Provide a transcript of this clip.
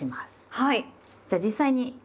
はい。